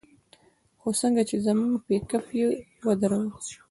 خو څنگه چې زموږ پېکپ يې ودراوه.